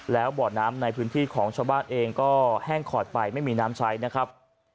แล้วบ่อน้ำในพื้นที่ของชาวบ้านเองก็แห้งขอดไปไม่มีน้ำใช้นะครับ